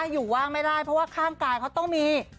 อยู่ว่างไม่ได้เพราะว่าข้างกายเขาต้องมี